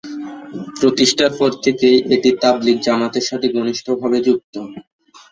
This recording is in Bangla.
প্রতিষ্ঠার পর থেকেই এটি তাবলিগ জামাতের সাথে ঘনিষ্ঠভাবে যুক্ত।